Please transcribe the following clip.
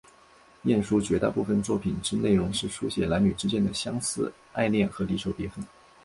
晏殊绝大部分作品之内容是抒写男女之间的相思爱恋和离愁别恨。